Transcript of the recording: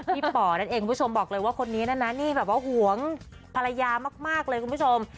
พี่ป๋อดันเอกคุณผู้ชมบอกเลยว่าคนนี้น่ะนะหวงภรรยามากเลยคุณผู้ชม